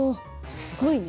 すごいね。